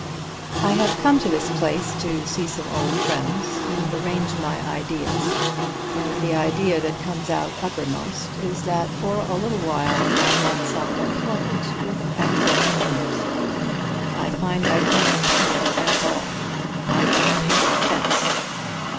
I have come to this place to see some old friends and arrange my ideas, and the idea that comes out upper most is that for a little while I want some employment with activity in it. I find I can't paint at all; I couldn't paint a fence.